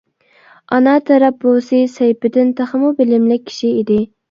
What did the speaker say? ئانا تەرەپ بوۋىسى سەيپىدىن تېخىمۇ بىلىملىك كىشى ئىدى.